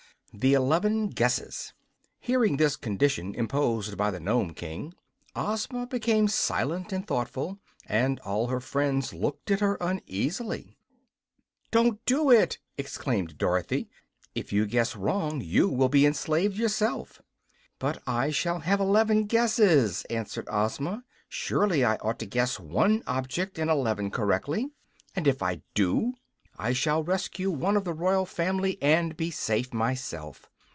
12. The Eleven Guesses Hearing this condition imposed by the Nome King, Ozma became silent and thoughtful, and all her friends looked at her uneasily. "Don't you do it!" exclaimed Dorothy. "If you guess wrong, you will be enslaved yourself." "But I shall have eleven guesses," answered Ozma. "Surely I ought to guess one object in eleven correctly; and, if I do, I shall rescue one of the royal family and be safe myself.